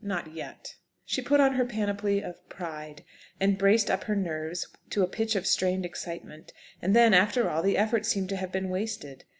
Not yet! She put on her panoply of pride, and braced up her nerves to a pitch of strained excitement. And then, after all, the effort seemed to have been wasted!